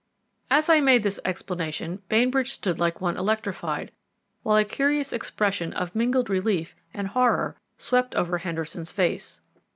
As I made this explanation Bainbridge stood like one electrified, while a curious expression of mingled relief and horror swept over Henderson's face.